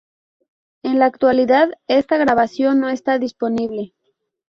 En la actualidad, esta grabación no está disponible.